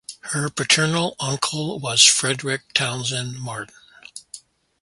Her paternal uncle was Frederick Townsend Martin.